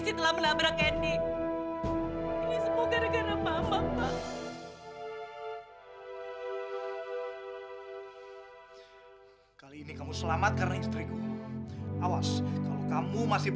setelah itu dia aku titipkan sama saudara jauh ibu